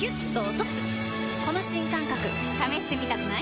この新感覚試してみたくない？